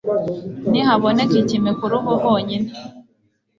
nihaboneka ikime ku ruhu honyine